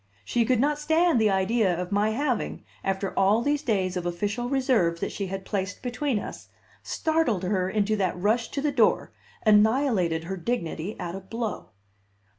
She could not stand the idea of my having, after all these days of official reserve that she had placed between us, startled her into that rush to the door annihilated her dignity at a blow.